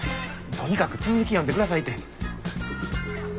とにかく続き読んでくださいて。